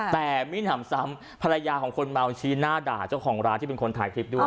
แต่มิ้นห่ำซ้ำภรรยาของคนเมาชี้หน้าด่าเจ้าของร้านที่เป็นคนถ่ายคลิปด้วย